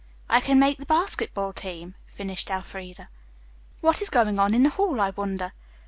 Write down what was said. "I can make the basketball team," finished Elfreda. "What is going on in the hall, I wonder?"